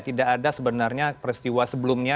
tidak ada sebenarnya peristiwa sebelumnya